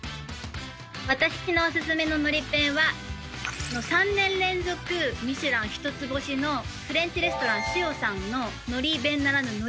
私のお薦めののり弁は３年連続ミシュラン一つ星のフレンチレストランｓｉｏさんののり弁ならぬのり重です。